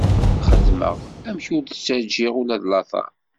Xedmeɣ amek ur d-ttaǧǧiɣ ula d lateṛ.